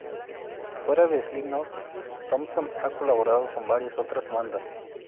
Fuera de Slipknot, Thomson ha colaborado con varias otras bandas.